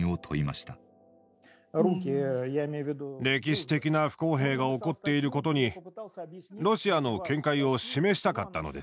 歴史的な不公平が起こっていることにロシアの見解を示したかったのです。